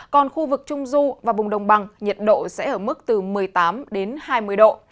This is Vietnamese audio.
còn khu vực trung du và vùng đồng bằng nhiệt độ sẽ ở mức từ một mươi tám đến hai mươi độ